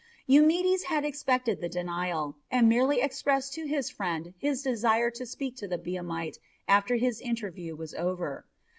Eumedes had expected the denial, and merely expressed to his friend his desire to speak to the Biamite after his interview was over.